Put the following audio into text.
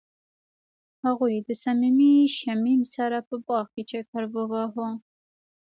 هغوی د صمیمي شمیم سره په باغ کې چکر وواهه.